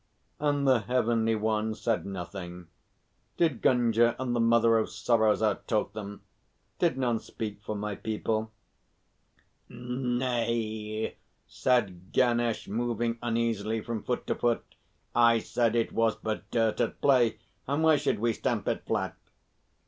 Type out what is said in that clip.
"And the Heavenly Ones said nothing? Did Gunga and the Mother of Sorrows out talk them? Did none speak for my people?" "Nay," said Ganesh, moving uneasily from foot to foot; "I said it was but dirt at play, and why should we stamp it flat?"